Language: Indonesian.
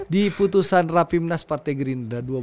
di putusan rapimnas partai gerindra